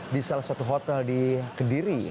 di salah satu hotel di kediri